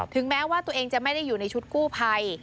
แม้ว่าตัวเองจะไม่ได้อยู่ในชุดกู้ภัย